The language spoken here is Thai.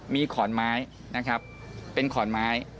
มีขอนไม้เป็นขอนไม้